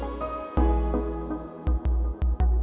gak ada apa apa